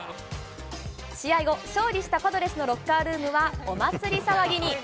試合後、勝利したパドレスのロッカールームは、お祭り騒ぎに。